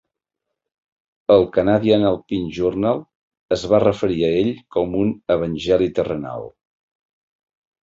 El "Canadian Alpine Journal" es va referir a ell com un "evangeli terrenal".